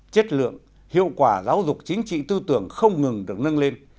chất lượng hiệu quả giáo dục chính trị tư tưởng không ngừng được nâng lên